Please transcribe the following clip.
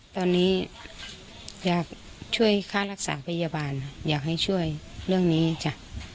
ตอนนี้อยากช่วยค่ารักษาพยาบาลอยากให้ช่วยเรื่องนี้จ้ะ